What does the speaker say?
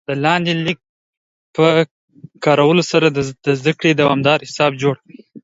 د لاندې لینک په کارولو سره د زده کړې دوامدار حساب جوړ کړئ